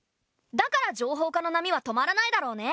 だから情報化の波は止まらないだろうね。